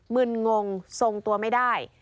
มึนงงทรงตัวไม่ได้